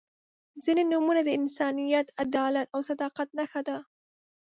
• ځینې نومونه د انسانیت، عدالت او صداقت نښه ده.